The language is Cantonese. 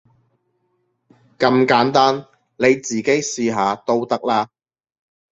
咁簡單，你自己試下都得啦